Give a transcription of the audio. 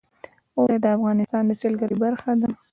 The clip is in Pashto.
اوړي د افغانستان د سیلګرۍ برخه ده.